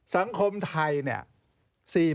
สังคมไทยเนี่ย